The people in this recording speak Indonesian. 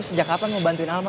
sejak kapan mau bantuin alma